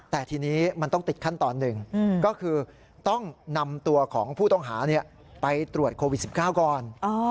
แต่ทีนี้มันต้องติดขั้นตอนหนึ่งก็คือต้องนำตัวของผู้ต้องหาไปตรวจโควิด๑๙ก่อน